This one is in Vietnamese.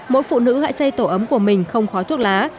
mỗi phụ nữ hãy xây tổ ấm của mình không khói thuốc lá